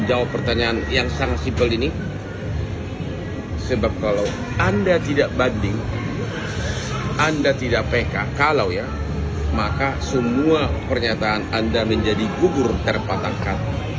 apakah semua pernyataan anda menjadi gugur terpatahkan